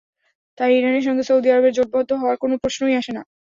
তাই ইরানের সঙ্গে সৌদি আরবের জোটবদ্ধ হওয়ার কোনো প্রশ্নই আসে না।